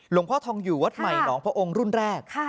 หลวงพ่อทองอยู่วัดใหม่หนองพระองค์รุ่นแรก